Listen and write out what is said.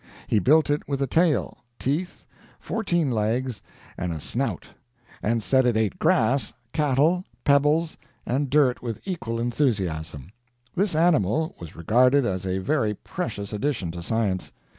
He built it with a tail, teeth, fourteen legs, and a snout, and said it ate grass, cattle, pebbles, and dirt with equal enthusiasm. This animal was regarded as a very precious addition to science.